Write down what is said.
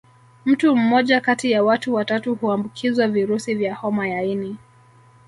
Mtu mmoja kati ya watu watatu huambukizwa virusi vya homa ya ini